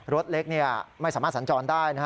รถเล็กไม่สามารถสัญจรได้นะฮะ